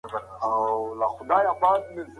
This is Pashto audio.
ټولنه به د ناپوهۍ ستونزې حل کړې وي.